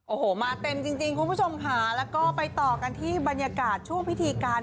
โอ้โหมาเต็มจริงคุณผู้ชมค่ะแล้วก็ไปต่อกันที่บรรยากาศช่วงพิธีการ